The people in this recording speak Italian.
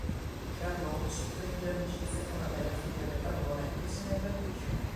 Charlot stringe amicizia con la bella figlia del padrone e se ne invaghisce.